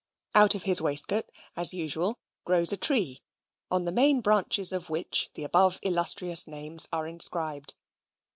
Out of his waistcoat, as usual, grows a tree, on the main branches of which the above illustrious names are inscribed.